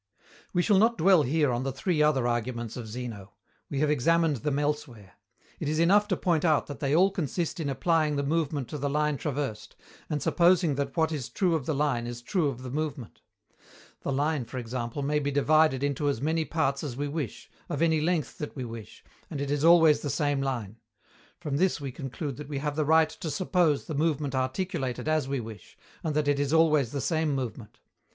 We shall not dwell here on the three other arguments of Zeno. We have examined them elsewhere. It is enough to point out that they all consist in applying the movement to the line traversed, and supposing that what is true of the line is true of the movement. The line, for example, may be divided into as many parts as we wish, of any length that we wish, and it is always the same line. From this we conclude that we have the right to suppose the movement articulated as we wish, and that it is always the same movement.